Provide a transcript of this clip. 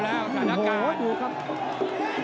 เป็นใจ